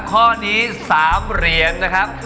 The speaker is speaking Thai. ข้อนี้๓เหรียญนะครับ